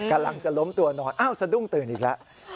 กำลังจะล้มตัวนอนอ้าวสะดุ้งตื่นอีกแล้ว